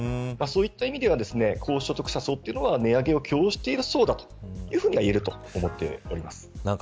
そういった意味では高所得層というのは値上げを許容している層であると思っていいと思います。